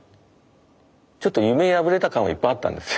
ちょっと夢破れた感はいっぱいあったんですよ。